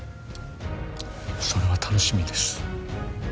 それは楽しみです